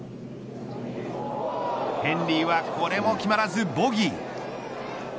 ヘンリーはこれも決まらずボギー。